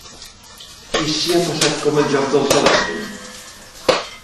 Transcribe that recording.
I si ha passat com el joc del telèfon?